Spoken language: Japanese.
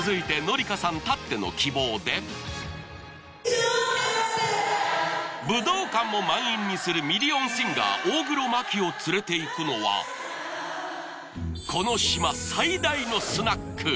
続いて武道館も満員にするミリオンシンガー大黒摩季を連れていくのはこの島最大のスナック